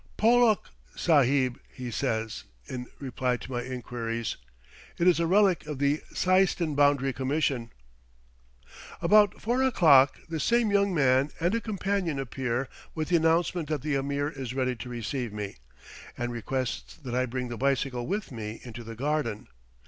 "Pollock Sahib," he says, in reply to my inquiries it is a relic of the Seistan Boundary Commission. About four o'clock, this same young man and a companion appear with the announcement that the Ameer is ready to receive me, and requests that I bring the bicycle with me into the garden.